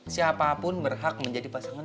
siapapun berhak menjadi pasangan